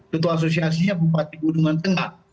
contoh asosiasinya bupati punggungan tengah